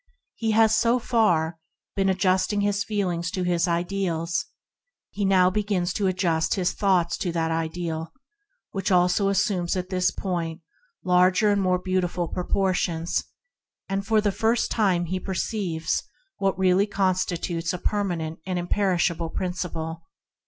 He has, so far, been adjusting his feelings to his Ideal; he now begins to adjust his thoughts to that Ideal, which also assumes at this point larger and more beautiful proportions; and for the first time he perceives what really constitutes a permanent and imperishable Principle.